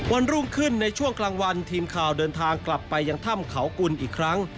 วันรุ่งขึ้นในช่วงกลางวันทีมข่าวเดินทางกลับไปยังถ้ำเขากุลอีกครั้ง